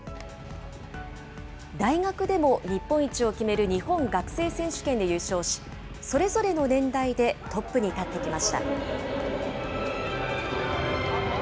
大学でも日本一を決める日本学生選手権で優勝し、それぞれの年代でトップに立ってきました。